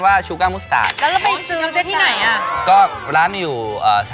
ทำอะไรบ้าง